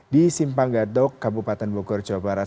di simpang gadok kabupaten bogor jawa barat